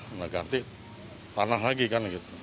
udah ganti tanah lagi kan gitu